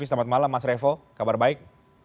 selamat malam mas revo kabar baik